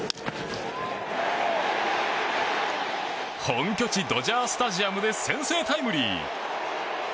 本拠地ドジャースタジアムで先制タイムリー。